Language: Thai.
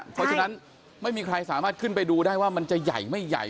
เพราะฉะนั้นไม่มีใครสามารถขึ้นไปดูได้ว่ามันจะใหญ่ไม่ใหญ่